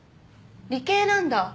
理系なんだ。